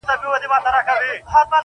یو ښکاري وو چي په ښکار کي د مرغانو,